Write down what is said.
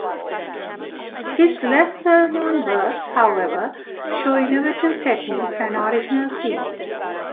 His less-well known works, however, show innovative techniques and original themes.